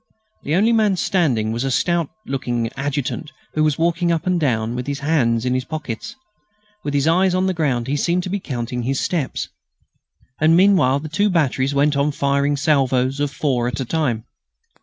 The only man standing was a stout looking adjutant who was walking up and down with his hands in his pockets. With his eyes on the ground he seemed to be counting his steps. And meanwhile, the two batteries went on firing salvoes of four at a time.